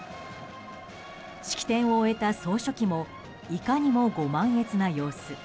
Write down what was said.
式典を終えた総書記もいかにもご満悦な様子。